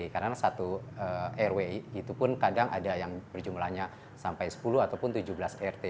karena satu rw itu pun kadang ada yang berjumlahnya sampai sepuluh ataupun tujuh belas rt